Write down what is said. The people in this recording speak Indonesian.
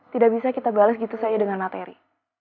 tidak bisa kita balas gitu saja dengan materi